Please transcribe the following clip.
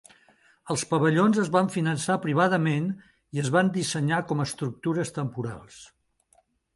Els pavellons es van finançar privadament i es van dissenyar com estructures temporals.